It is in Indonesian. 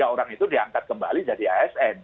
lima puluh tiga orang itu diangkat kembali jadi asn